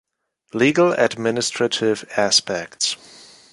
Legal administrative aspects.